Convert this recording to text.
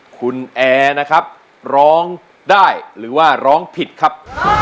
คุณแอร์นะครับร้องได้หรือว่าร้องผิดครับ